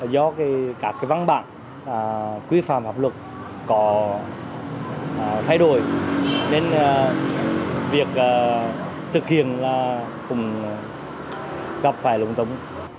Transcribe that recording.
do các văn bản quy phạm hợp luật có thay đổi nên việc thực hiện cũng gặp vài lùng tống